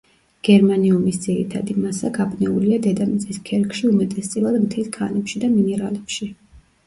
გერმანიუმის ძირითადი მასა გაბნეულია დედამიწის ქერქში უმეტესწილად მთის ქანებში და მინერალებში.